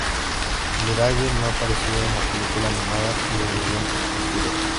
Mirage no apareció en la película animada ni en eventos posteriores.